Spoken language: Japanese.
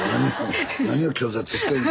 なにを拒絶してんの。